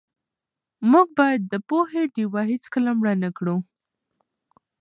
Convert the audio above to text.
موږ باید د پوهې ډېوه هېڅکله مړه نه کړو.